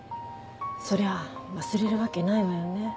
そりゃ忘れるわけないわよね。